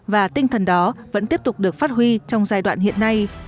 và tinh thần đó vẫn tiếp tục được phát huy trong giai đoạn hiện nay